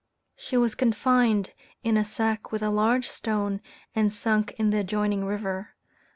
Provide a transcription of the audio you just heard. She was confined in a sack with a large stone, and sunk in the adjoining river.